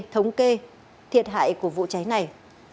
thống kê thiệt hại của vụ cháy này